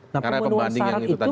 nah pemenuhan syarat itu